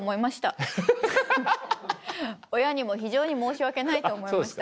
親にも非常に申し訳ないと思いました。